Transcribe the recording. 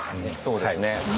そうですね最後。